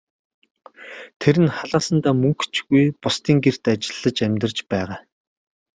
Тэр нь халаасандаа мөнгө ч үгүй, бусдын гэрт ажиллаж амьдарч байгаа.